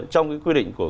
trong cái quy định của